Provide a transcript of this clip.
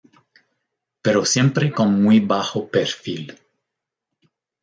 Pero siempre con muy bajo perfil.